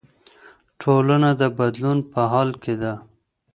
ټولنه د بدلون په حال کې ده.